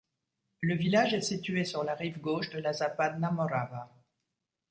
Le village est situé sur la rive gauche de la Zapadna Morava.